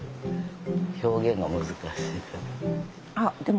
表現が難しいかな。